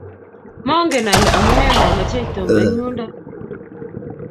Mongen ale amune mamachech Tom eng yundo